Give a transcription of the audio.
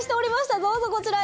どうぞこちらへ。